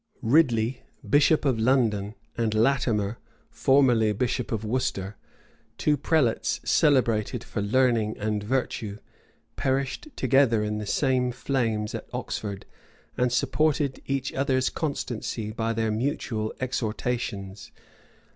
[*] Ridley, bishop of London, and Latimer, formerly bishop of Worcester, two prelates celebrated for learning and virtue, perished together in the same flames at Oxford, and supported each other's constancy by their mutual exhortations.